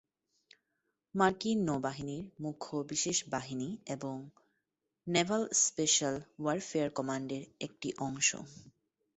মার্কিন নৌবাহিনীর মুখ্য বিশেষ বাহিনী এবং নেভাল স্পেশাল ওয়ারফেয়ার কমান্ডের একটি অংশ।